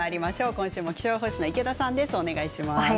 今週も気象予報士の池田さんです。